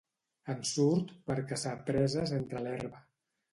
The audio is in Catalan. En surt per caçar preses entre l'herba.